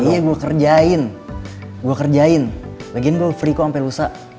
iya gue kerjain gue kerjain lagian gue free kok sampe lusa